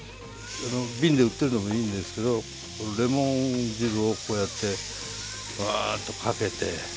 瓶で売ってるのもいいんですけどレモン汁をこうやってワーッとかけて。